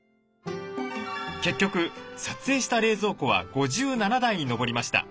結局撮影した冷蔵庫は５７台にのぼりました。